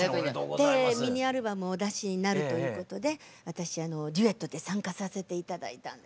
でミニアルバムをお出しになるということで私デュエットで参加させて頂いたんです。